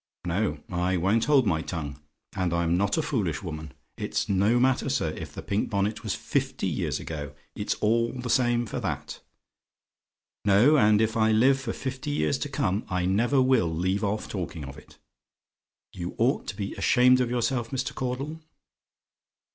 No: I won't hold my tongue, and I'm not a foolish woman. It's no matter, sir, if the pink bonnet was fifty years ago it's all the same for that. No: and if I live for fifty years to come, I never will leave off talking of it. You ought to be ashamed of yourself, Mr. Caudle.